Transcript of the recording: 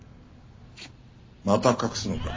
また隠すのか？